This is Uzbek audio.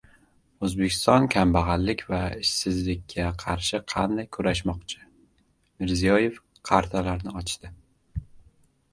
O‘zbekiston kambag‘allik va ishsizlikka qarshi qanday kurashmoqchi? Mirziyoyev “qartalarni ochdi”